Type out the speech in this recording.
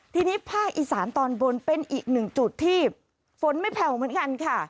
ทีนี้ภาคอีสานตอนบนเป็นอีกหนึ่งจุดที่ฝนไม่แผ่วเหมือนกันค่ะ